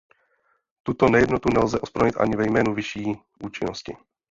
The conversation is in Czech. Tuto nejednotu nelze ospravedlnit ani ve jménu vyšší účinnosti.